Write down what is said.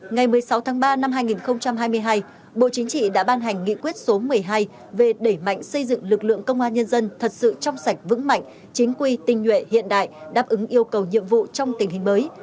ngày một mươi sáu tháng ba năm hai nghìn hai mươi hai bộ chính trị đã ban hành nghị quyết số một mươi hai về đẩy mạnh xây dựng lực lượng công an nhân dân thật sự trong sạch vững mạnh chính quy tinh nhuệ hiện đại đáp ứng yêu cầu nhiệm vụ trong tình hình mới